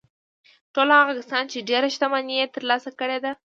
ټول هغه کسان چې ډېره شتمني يې ترلاسه کړې ده.